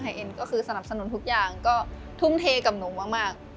เอ็นก็คือสนับสนุนทุกอย่างก็ทุ่มเทกับหนูมาก